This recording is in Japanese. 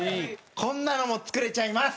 こんなのも作れちゃいます！